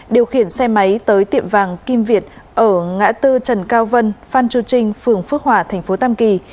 điều khiển xe máy tới tiệm vàng kim việt ở ngã tư trần cao vân phan chu trinh phường phước hòa thành phố tam kỳ